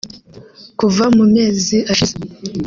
Kuva mu mezi ashize